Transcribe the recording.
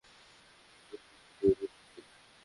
কী করে যাবে এই বৃষ্টিতে?